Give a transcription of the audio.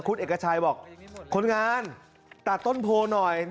คุณเอกชัยบอกคนงานตัดต้นโพหน่อย